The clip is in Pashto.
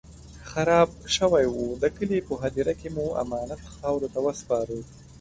خراب شوی و، د کلي په هديره کې مو امانت خاورو ته وسپاره.